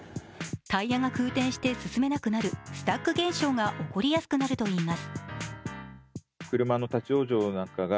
タイヤが空転して進めなくなるスタック現象が起こりやすくなるといいます。